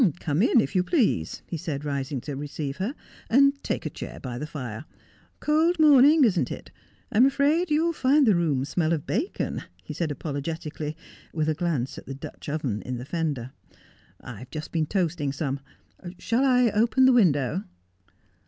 ' Come in, if you please,' he said, rising to receive her, ' and take a chair by the fire. Cold morning, isn't it ? I'm afraid you'll find the room smell of bacon,' he said apologetically, with a glance at the Dutch oven in the fender. ' I've just been toasting some. Shall I open the window